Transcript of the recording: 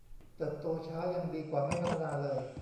เติบโตช้ายังดีกว่าไม่พัฒนาเลย